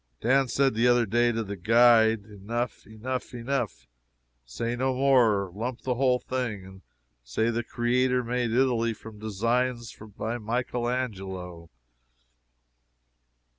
Dan said the other day to the guide, "Enough, enough, enough! Say no more! Lump the whole thing! say that the Creator made Italy from designs by Michael Angelo!"